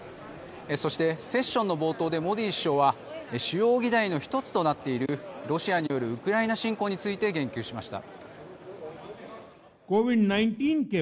そして、セッションの冒頭でモディ首相は主要議題の１つとなっているロシアによるウクライナ侵攻について言及しました。